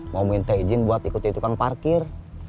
ngomongin tanya izin buat ikuti tukang parkir